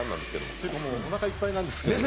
もうおなかいっぱいなんですけど。